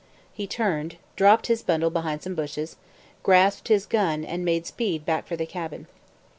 He turned, dropped his bundle behind some bushes, grasped his gun, and made speed back for the cabin.